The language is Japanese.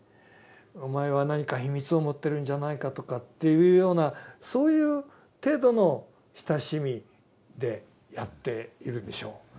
お前は何か秘密を持ってるんじゃないかとかっていうようなそういう程度の親しみでやっているでしょう。